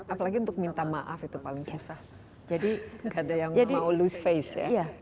apalagi untuk minta maaf itu paling susah